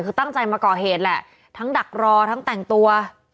คือตั้งใจมาก่อเหตุแหละทั้งดักรอทั้งแต่งตัว